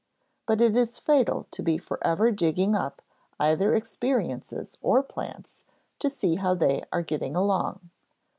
But it is fatal to be forever digging up either experiences or plants to see how they are getting along.